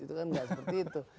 itu kan nggak seperti itu